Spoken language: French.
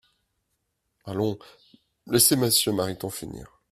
Allons, laissez Monsieur Mariton finir